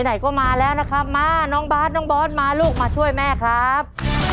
ไหนก็มาแล้วนะครับมาน้องบาทน้องบอสมาลูกมาช่วยแม่ครับ